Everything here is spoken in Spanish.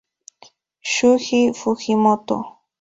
Shuji Fujimoto